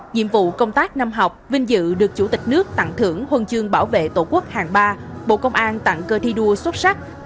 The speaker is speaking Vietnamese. nhiệm vụ công tác năm học vinh dự được chủ tịch nước tặng thưởng huân chương bảo vệ tổ quốc hàng ba bộ công an tặng cơ thi đua xuất sắc